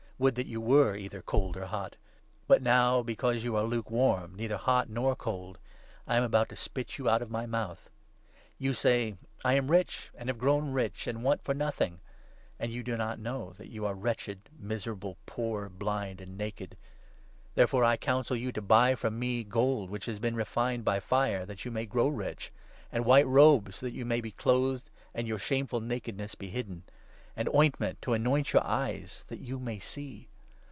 Would that you were either cold or hot ! But now, because 16 you are lukewarm, neither hot nor cold, I am about to spit you out of my mouth. You say ' I am rich and have grown 17 rich, and I want for nothing,' and you do not know that you are wretched, miserable, poor, blind, naked ! Therefore I 18 counsel you to buy from me gold which has been refined by fire, that you may grow rich ; and white robes, that you may be clothed and your shameful nakedness be hidden ; and ointment to anoint your eyes, that you may see.